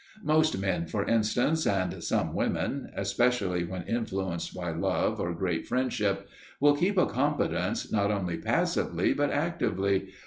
Most men, for instance, and some women (especially when influenced by love or great friendship), will keep a confidence not only passively, but actively.